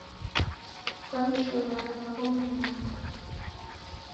Kwanishunua na agho malagho